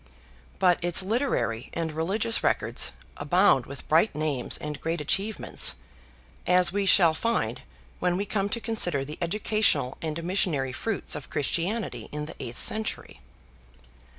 But its literary and religious record abounds with bright names and great achievements, as we shall find when we come to consider the educational and missionary fruits of Christianity in the eighth century.